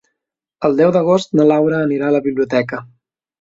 El deu d'agost na Laura anirà a la biblioteca.